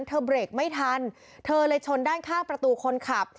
เบรกไม่ทันเธอเลยชนด้านข้างประตูคนขับ